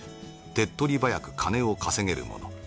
手っ取り早く金を稼げるもの